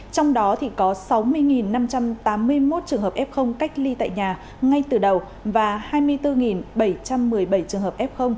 trong đó có sáu mươi năm trăm tám mươi một trường hợp f cách ly tại nhà ngay từ đầu và hai mươi bốn bảy trăm một mươi bảy trường hợp f